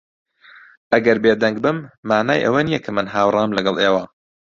ئەگەر بێدەنگ بم، مانای ئەوە نییە کە من ھاوڕام لەگەڵ ئێوە.